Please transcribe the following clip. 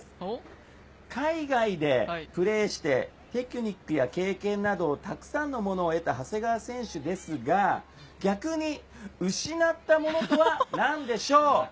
海外でプレーして、テクニックや経験など、たくさんのものを得た長谷川選手ですが、逆に失ったものとは何でしょう？